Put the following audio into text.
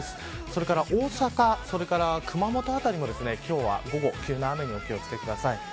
それから大阪、熊本辺りも今日は午後急な雨にお気を付けください